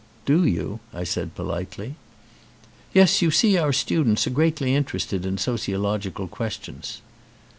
"Do you?" I said politely. "Yes, you see our students are greatly inter ested in sociological questions."